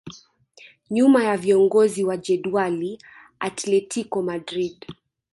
Nyuma ya viongozi wa jedwali Atletico Madrid